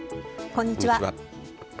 こんにちは。